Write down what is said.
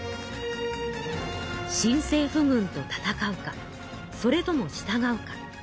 新政府軍と戦うかそれともしたがうか。